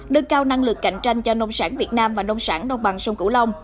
đưa cao năng lực cạnh tranh cho nông sản việt nam và nông sản đồng bằng sông cửu long